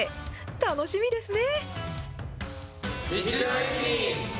楽しみですね。